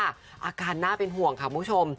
อาการหน้าเป็นห่วงค่ะมุมชม